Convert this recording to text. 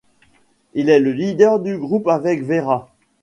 Il est le leader du groupe avec Véra.